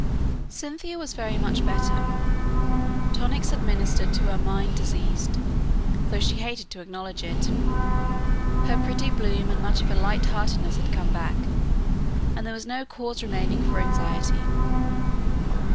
Cynthia was very much better. Tonics had ministered to a mind diseased, though she hated to acknowledge it; her pretty bloom and much of her light heartedness had come back, and there was no cause remaining for anxiety.